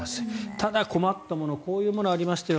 ただ、困ったものこういうものがありましたよ